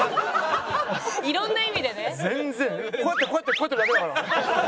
こうやってこうやってこうやってるだけだから。